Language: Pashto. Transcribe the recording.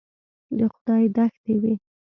د خدای دښتې وې.